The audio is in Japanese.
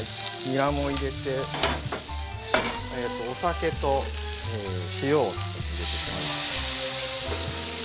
にらも入れてお酒と塩を入れていきます。